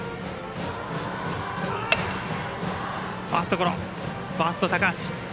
ファーストゴロファースト、高橋。